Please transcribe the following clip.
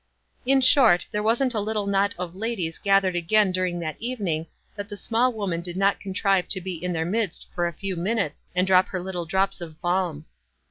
In short, there wasn't a little knot of ladies gathered again during that evening that the small woman did not contrive to be in their midst for a few minutes and drop her little drops of balm.